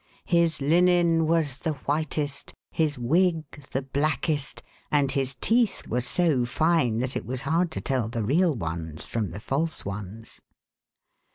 His linen was the whitest, his wig the blackest, and his teeth were so fine that it was hard to tell the real ones from the false ones.